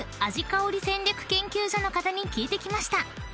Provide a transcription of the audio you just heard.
香り戦略研究所の方に聞いてきました］